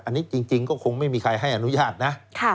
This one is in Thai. อันนี้จริงก็คงไม่มีใครให้อนุญาตนะ